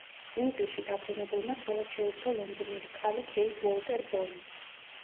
ინგლისში დაბრუნებულმა ცოლად შეირთო ლონდონელი ქალი ქეით უოლტერ ბოლი.